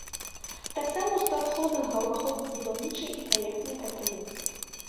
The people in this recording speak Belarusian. Таксама ў склад холдынга ўваходзяць будаўнічае і праектнае прадпрыемствы.